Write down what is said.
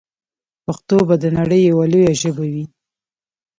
پښتو به د نړۍ یوه لویه ژبه وي.